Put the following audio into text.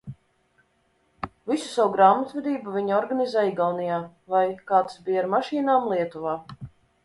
Visu savu grāmatvedību viņi organizē Igaunijā vai, kā tas bija ar mašīnām, Lietuvā.